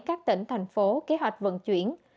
các tỉnh thành phố kế hoạch vận chuyển